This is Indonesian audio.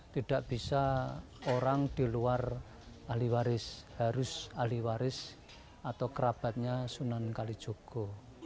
tidak bisa orang di luar ahli waris harus ahli waris atau kerabatnya sunan kalijogo